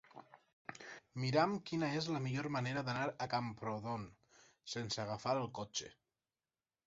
Mira'm quina és la millor manera d'anar a Camprodon sense agafar el cotxe.